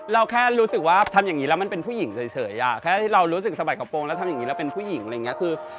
แค่รู้สึกว่าทำอย่างนี้แล้วมันเป็นผู้หญิงเฉยอ่ะแค่ที่เรารู้สึกสะบัดกระโปรงแล้วทำอย่างนี้เราเป็นผู้หญิงอะไรอย่างนี้คือ